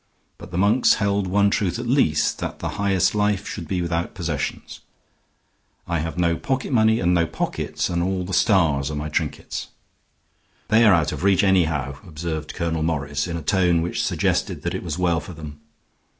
But the monks held one truth at least, that the highest life should be without possessions. I have no pocket money and no pockets, and all the stars are my trinkets." "They are out of reach, anyhow," observed Colonel Morris, in a tone which suggested that it was well for them.